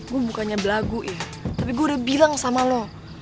gue bukannya belagu ya tapi gue udah bilang sama lo